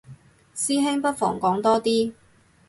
師兄不妨講多啲